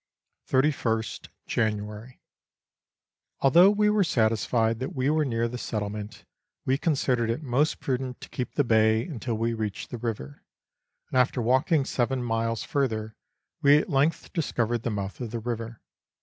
31 st January. Although we were satisfied that we were near the settlement, we considered it most prudent to keep the bay until we reached the river, and after walking seven miles further, we at length discovered the mouth of the river.